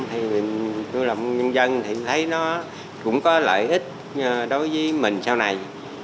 thì mình tôi là một nhân dân thì thấy nó cũng có lợi ích đối với mình sau này